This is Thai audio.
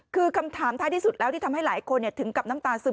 คือคำถามท้ายที่สุดแล้วที่ทำให้หลายคนถึงกับน้ำตาซึม